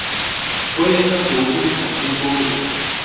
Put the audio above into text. Fue esta su última acción pública.